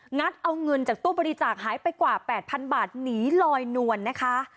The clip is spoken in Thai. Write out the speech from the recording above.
ัดเอาเงินจากตู้บริจาคหายไปกว่า๘๐๐๐บาทหนีลอยนวลนะคะ